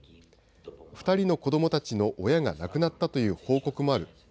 ２人の子どもたちの親が亡くなったという報告もある。